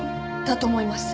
だと思います。